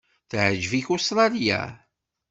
Teɛjeb-ik Ustṛalya?